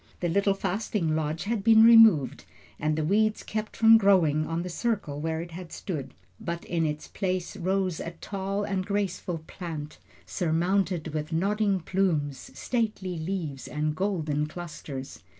The little fasting lodge had been removed and the weeds kept from growing on the circle where it had stood; but in its place rose a tall and graceful plant, surmounted with nodding plumes, stately leaves, and golden clusters.